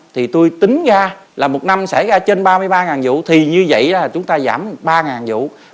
thì tôi tính ra là một năm xảy ra trên ba mươi ba vụ thì như vậy là chúng ta giảm ba vụ